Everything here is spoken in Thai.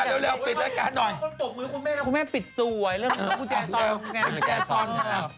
คนปลูกมือคุณแม่คุณแม่ปิดสวยเรื่องการปูแจซอด